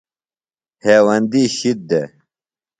ہیوندی شِد دےۡ۔